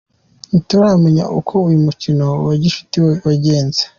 Ntituramenya uko uyu mukino wa gicuti wagenze.